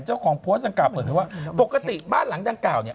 เจ้าของโพสต์ดังกล่าเปิดเผยว่าปกติบ้านหลังดังกล่าวเนี่ย